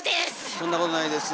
そんなことないですよ。